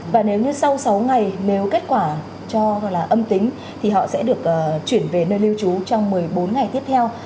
và nếu như sau sáu ngày nếu kết quả cho gọi là âm tính thì họ sẽ được chuyển về nơi lưu trú trong một mươi bốn ngày tiếp theo